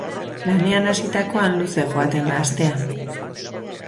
Lanean hasitakoan luze joaten da astea.